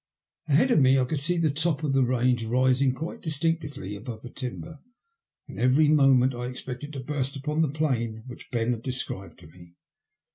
Ahead of me I could see the top of the range rising quite distinctly above the timber, and every moment I expected to burst upon the plain which Ben had described to me.